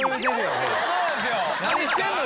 何してんの？